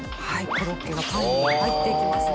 コロッケがパンに入っていきますね。